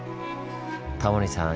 タモリさん